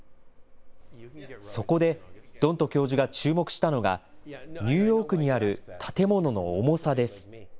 そこでドント教授が注目したのが、ニューヨークにある建物の重さです。